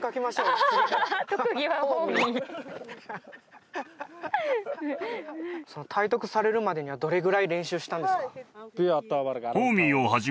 特技はホーミーホーミー体得されるまでにはどれぐらい練習したんですか？